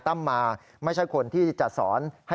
เพราะว่ามีทีมนี้ก็ตีความกันไปเยอะเลยนะครับ